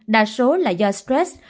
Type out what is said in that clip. đa số là do stress